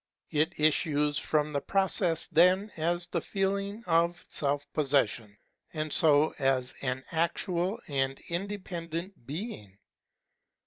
It issues from the process then as the feeling of self possession, and so as an actual and independent being.